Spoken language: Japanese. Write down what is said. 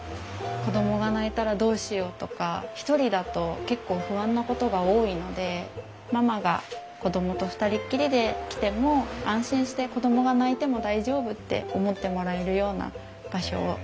子供が泣いたらどうしようとか一人だと結構不安なことが多いのでママが子供と二人っきりで来ても安心して子供が泣いても大丈夫って思ってもらえるような場所をイメージして作りました。